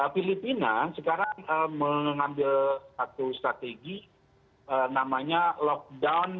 filipina sekarang mengambil satu strategi namanya lockdown